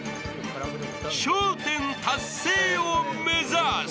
［笑１０達成を目指す］